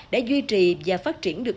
đã duy trì và phát triển được